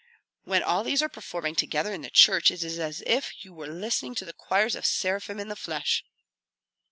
When all these are performing together in the church, it is as if you were listening to choirs of seraphim in the flesh."